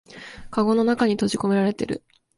かごの中に閉じこめられてる